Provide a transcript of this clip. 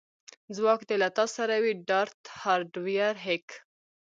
ځواک دې له تا سره وي ډارت هارډویر هیک